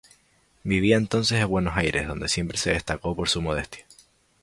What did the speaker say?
Vivía entonces en Buenos Aires donde siempre se destacó por su modestia.